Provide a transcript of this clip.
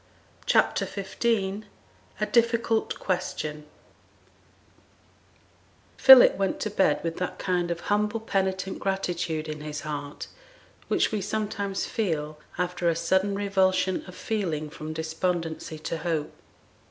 CHAPTER XV A DIFFICULT QUESTION Philip went to bed with that kind of humble penitent gratitude in his heart, which we sometimes feel after a sudden revulsion of feeling from despondency to hope.